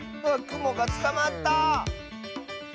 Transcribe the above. くもがつかまった！